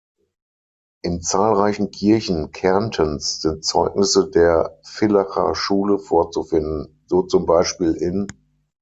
In zahlreichen Kirchen Kärntens sind Zeugnisse der Villacher Schule vorzufinden, so zum Beispiel in